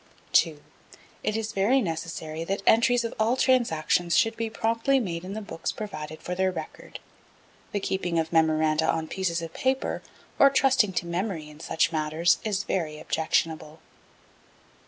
2. It is very necessary that entries of all transactions should be promptly made in the books provided for their record. The keeping of memoranda on pieces of paper, or trusting to memory in such matters is very objectionable.